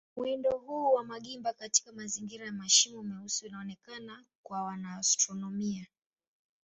Mwendo huu wa magimba katika mazingira ya mashimo meusi unaonekana kwa wanaastronomia.